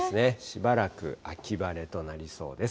しばらく秋晴れとなりそうです。